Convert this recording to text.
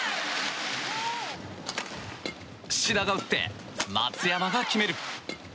志田が打って、松山が決める！